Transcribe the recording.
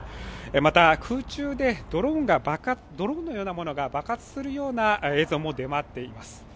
また空中でドローンのようなものが爆発するような映像も出回っています。